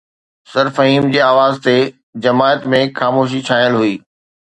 سرفهيم جي آواز تي جماعت ۾ خاموشي ڇانيل هئي